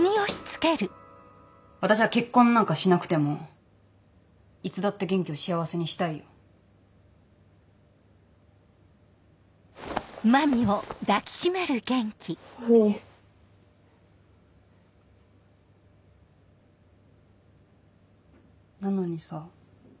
私は結婚なんかしなくてもいつだって元気を幸せにしたいよまみんなのにさ